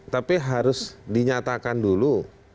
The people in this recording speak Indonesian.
tapi harus dinyatakan dulu